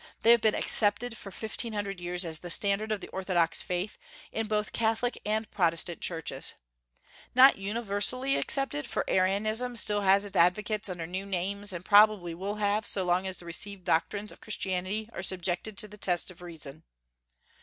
They have been accepted for fifteen hundred years as the standard of the orthodox faith, in both Catholic and Protestant churches, not universally accepted, for Arianism still has its advocates, under new names, and probably will have so long as the received doctrines of Christianity are subjected to the test of reason.